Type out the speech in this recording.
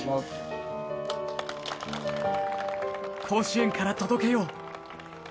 甲子園から届けよう。